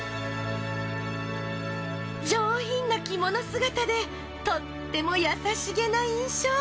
上品な着物姿でとっても優しげな印象。